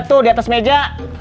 tuh di atas meja